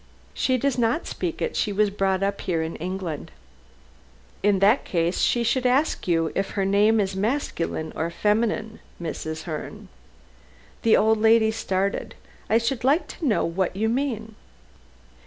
"She does not speak it. She was brought up in England." "In that case she should ask you if her name is masculine or feminine, Mrs. Herne?" The old lady started. "I should like to know what you mean?"